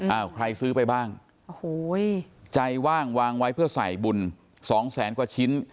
ใครซื้อไปบ้างโอ้โหใจว่างวางไว้เพื่อใส่บุญสองแสนกว่าชิ้น